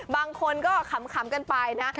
บางคนก็ขำกันไปนะ